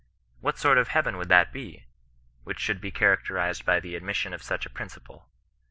What sort of heaven would that be, which should be characterized by the admission of such a principle